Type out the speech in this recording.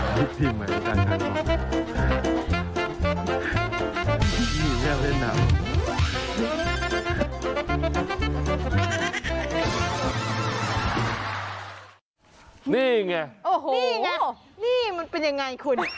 นี่ไงโอ้โหนี่ไงนี่มันเป็นยังไงคุณ